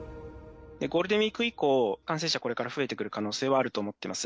ゴールデンウィーク以降、感染者、これから増えてくる可能性はあると思ってます。